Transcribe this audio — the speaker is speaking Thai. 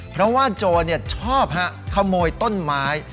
เพราะว่าโจรชอบขโมยต้นไม้